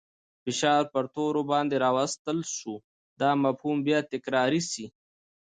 فشار پر تورو باندې راوستل سو. دا مفهوم به بیا تکرار سي.